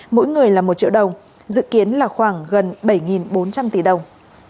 mỗi người là một triệu đồng dự kiến là khoảng gần bảy bốn trăm linh tỷ đồng